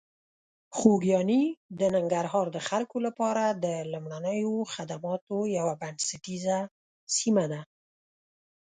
خوږیاڼي د ننګرهار د خلکو لپاره د لومړنیو خدماتو یوه بنسټیزه سیمه ده.